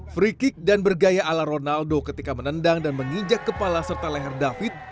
free kick dan bergaya ala ronaldo ketika menendang dan menginjak kepala serta leher david